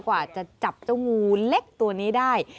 กว่าจะจับเจ้างูเล็กตัวนี้ได้